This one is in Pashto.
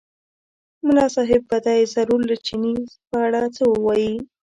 ملا صاحب به دی ضرور له چیني په اړه څه ووایي.